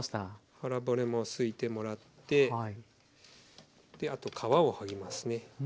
腹骨もすいてもらってあと皮を剥ぎますね。